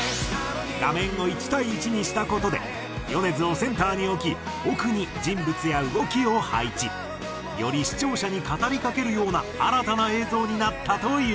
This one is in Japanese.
画面を１対１にした事で米津をセンターに置き奥に人物や動きを配置。より視聴者に語りかけるような新たな映像になったという。